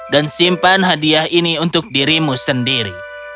dan simpan hadiah ini untuk dirimu sendiri